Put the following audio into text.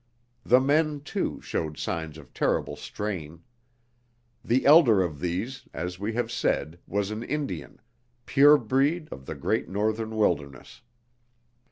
The men, too, showed signs of terrible strain. The elder of these, as we have said, was an Indian, pure breed of the great Northern wilderness.